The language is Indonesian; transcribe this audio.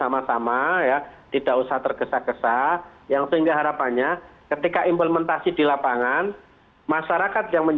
masalah retail modern